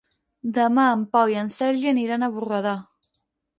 Demà en Pau i en Sergi aniran a Borredà.